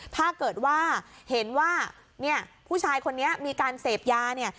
ถ้าเกิดว่าเห็นว่าเนี่ยผู้ชายคนนี้มีการเสพยาเนี่ย